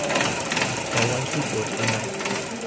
台灣是國家嗎